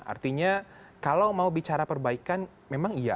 artinya kalau mau bicara perbaikan memang iya